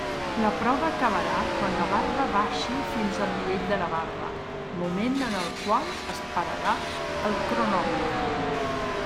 La prova acabarà quan la barba baixi fins al nivell de la barra, moment en el qual es pararà el cronòmetre.